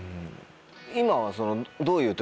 今は。